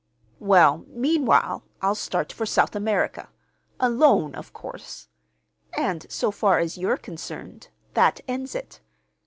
"Well, meanwhile I'll start for South America—alone, of course; and, so far as you're concerned, that ends it.